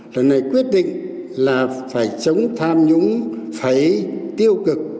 lần này quyết định là phải chống tham nhũng phải tiêu cực